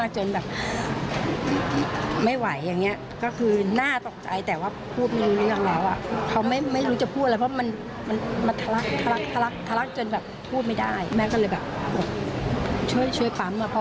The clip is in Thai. ช่วยปั๊มอะพอปั๊มมันก็